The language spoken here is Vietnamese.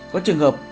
có trường hợp